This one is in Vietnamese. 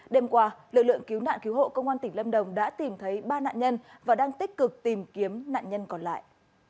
đêm qua lực lượng cứu nạn cứu hộ công an tỉnh lâm đồng đã tìm thấy ba nạn nhân và đang tích cực tìm kiếm nạn nhân còn lại